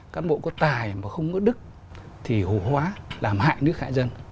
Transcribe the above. cán bộ có tài mà không có đức thì hủ hóa làm hại nước hại dân